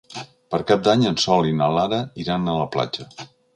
Per Cap d'Any en Sol i na Lara iran a la platja.